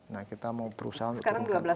nah kita mau berusaha untuk turunkan